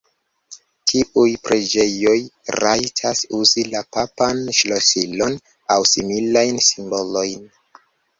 Tiuj preĝejoj rajtas uzi la papan ŝlosilon aŭ similajn simbolojn.